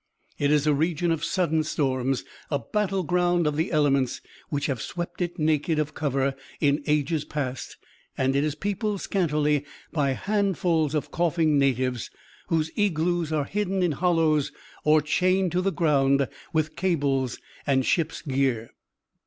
It is a region of sudden storms, a battle ground of the elements, which have swept it naked of cover in ages past, and it is peopled scantily by handfuls of coughing natives, whose igloos are hidden in hollows or chained to the ground with cables and ship's gear.